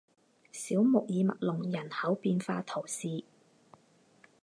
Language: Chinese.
小穆尔默隆人口变化图示